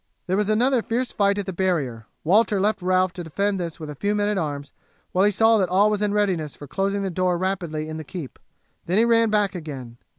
There was another fierce fight at the barrier. Walter left Ralph to defend this with a few men at arms while he saw that all was in readiness for closing the door rapidly in the keep. Then he ran back again.